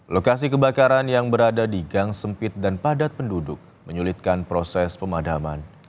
lokasi kebakaran yang berada di gang sempit dan padat penduduk menyulitkan proses pemadaman